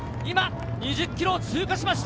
２０ｋｍを通過しました。